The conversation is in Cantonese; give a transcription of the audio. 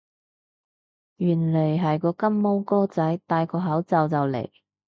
原來係個金毛哥仔戴個口罩就嚟